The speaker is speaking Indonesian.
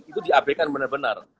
itu di ape kan benar benar